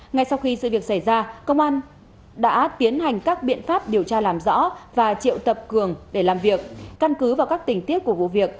ngay sau khi sự việc xảy ra công an đã tiến hành các biện pháp điều tra làm rõ và triệu tập cường để làm việc căn cứ vào các tình tiết của vụ việc